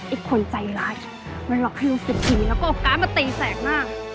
ไอ้คนใจร้ายมันหลอกให้รู้สึกผีแล้วก็ออกการ์ดมาตีแสงหน้า